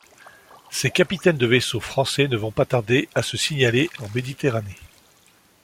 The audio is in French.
Ces capitaines de vaisseaux français ne vont pas tarder à se signaler en Méditerranée.